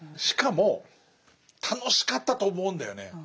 しかも楽しかったと思うんだよね。